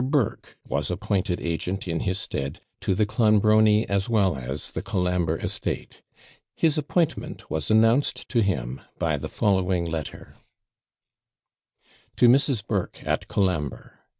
Burke was appointed agent in his stead to the Clonbrony as well as the Colambre estate. His appointment was announced to him by the following letter: To MRS. BURKE, AT COLAMBRE.